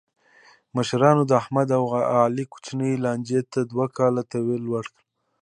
مشرانو د احمد او علي کوچنۍ لانجې ته دوه کاله طول ورکړ.